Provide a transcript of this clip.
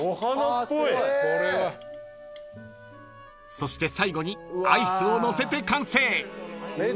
［そして最後にアイスをのせて完成］